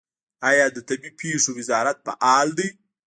آیا د طبیعي پیښو وزارت فعال دی؟